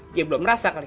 dia belum rasa kali